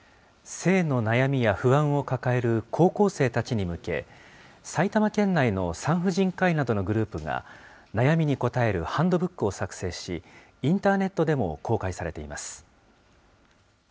性の悩みや不安を抱える高校生たちに向け、埼玉県内の産婦人科医などのグループが、悩みに答えるハンドブックを作成し、インターネットでも公開されています。